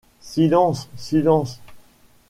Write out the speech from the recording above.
Silence ! Silence !